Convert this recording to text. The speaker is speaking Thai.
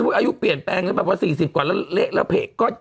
๔๐ก่อนแล้วเละแล้วเผกก็